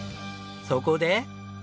そこで。